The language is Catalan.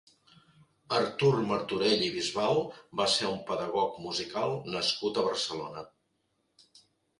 Artur Martorell i Bisbal va ser un pedagog musical nascut a Barcelona.